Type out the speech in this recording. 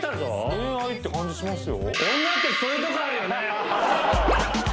恋愛って感じしますよ